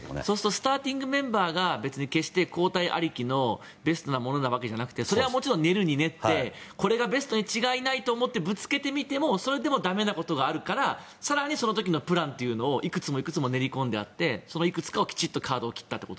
スターティングメンバーが交代ありきのベストなものなわけじゃなくて練るに練ってこれがベストに違いないと思ってぶつけてみてもそれがだめな時もあるから更にその時のプランというのをいくつも練り込んであってそのいくつかのきちんとカードを切ったと。